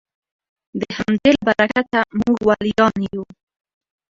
د همدې له برکته موږ ولیان یو